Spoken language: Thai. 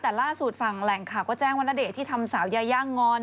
แต่ล่าสุดฝั่งแหล่งข่าวก็แจ้งว่าณเดชน์ที่ทำสาวยาย่างอน